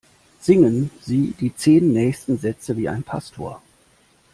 Singen Sie die zehn nächsten Sätze wie ein Pastor!